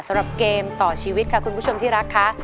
สำหรับเกมต่อชีวิตค่ะคุณผู้ชมที่รักค่ะ